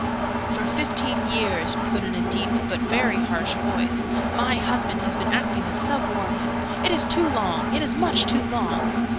"For fifteen years," put in a deep but very harsh voice, "my husband has been acting as Sub Warden. It is too long! It is much too long!"